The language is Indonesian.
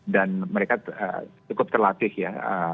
dan mereka cukup terlatih ya